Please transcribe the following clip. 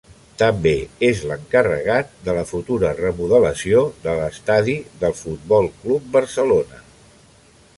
També és l'encarregat de la futura remodelació de l'estadi del Futbol Club Barcelona.